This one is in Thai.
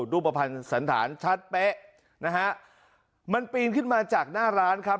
รูปภัณฑ์สันธารชัดเป๊ะนะฮะมันปีนขึ้นมาจากหน้าร้านครับ